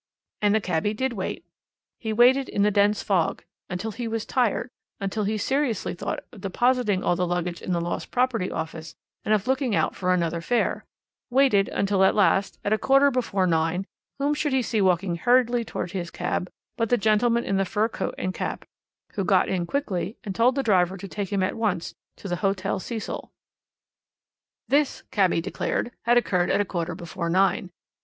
And cabby did wait. He waited in the dense fog until he was tired, until he seriously thought of depositing all the luggage in the lost property office, and of looking out for another fare waited until at last, at a quarter before nine, whom should he see walking hurriedly towards his cab but the gentleman in the fur coat and cap, who got in quickly and told the driver to take him at once to the Hotel Cecil. This, cabby declared, had occurred at a quarter before nine.